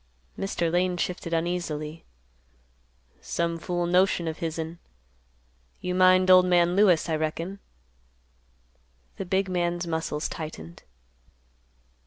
Mr. Lane shifted uneasily, "Some fool notion of hisn. You mind old man Lewis, I reckon?" The big man's muscles tightened.